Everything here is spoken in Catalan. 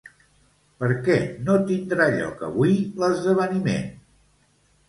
Per què no tindrà lloc avui l'esdeveniment?